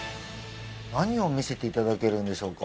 何を見せていただけるんでしょうか？